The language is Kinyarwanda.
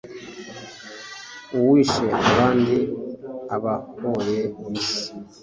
uwishe abandi abahoye ubusa